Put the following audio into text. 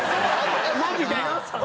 マジで。